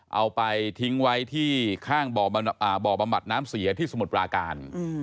เอาไปทิ้งไว้ที่ข้างบ่อบำบัดน้ำเสียที่สมุทรปราการ